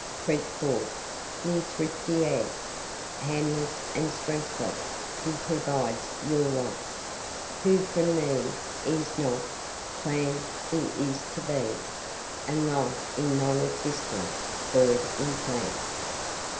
Creep forth, ye thrifty Ants! Handless and strengthless He provides your wants Who from the 'Is not' planned the 'Is to be,' And Life in non existent void implants.